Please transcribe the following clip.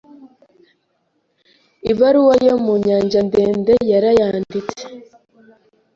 Ibaruwa yo mu nyanja ndende yarayanditse